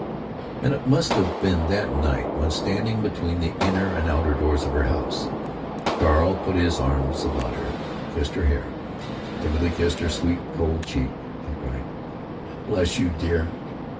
And it must have been that night when, standing between the inner and outer doors of her house, Carl put his arms about her, kissed her hair, timidly kissed her sweet, cold cheek, and cried, "Bless you, dear."